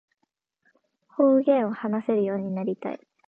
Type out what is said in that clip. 方言を話せるようになりたい